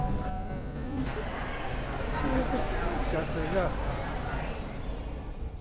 Tsyàsə̀ ghâ.